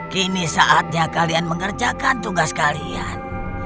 kini saatnya kalian mengerjakan tugas kalian